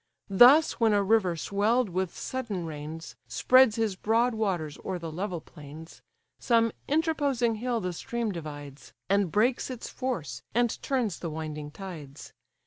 Thus when a river swell'd with sudden rains Spreads his broad waters o'er the level plains, Some interposing hill the stream divides, And breaks its force, and turns the winding tides.